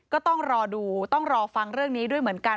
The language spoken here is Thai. ก็ต้องรอดูต้องรอฟังเรื่องนี้ด้วยเหมือนกัน